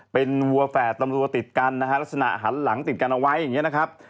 เป็นวัวแฝดตำรวจติดกันนะฮะลักษณะหันหลังติดกันเอาไว้อย่างนี้นะครับ